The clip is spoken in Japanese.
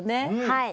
はい。